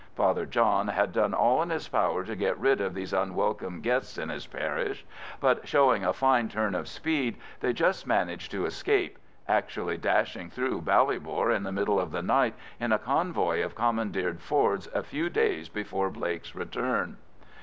Father John had done all in his power to get rid of these unwelcome guests in his parish, but showing a fine turn of speed they just managed to escape, actually dashing through Ballybor in the middle of the night in a convoy of commandeered Fords a few days before Blake's return.